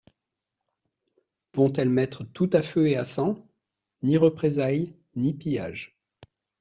Vont-elles mettre tout à feu et à sang ? Ni représailles, ni pillage.